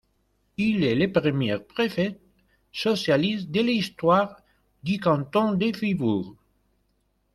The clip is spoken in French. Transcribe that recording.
Il est le premier préfet socialiste de l’histoire du canton de Fribourg.